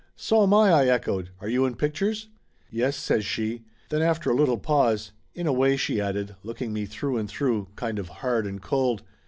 "So am I!" I echoed. "Are you in pictures?" "Yes," says she. Then after a little pause, "In a way," she added, looking me through and through, kind of hard and cold.